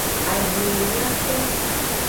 Adungunyato.